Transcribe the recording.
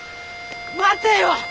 待てよ！